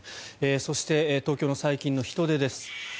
そして、東京の最近の人出です。